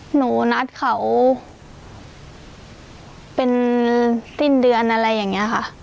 หนูนัดเขาเป็นสิ้นเดือนอะไรอย่างนี้ค่ะ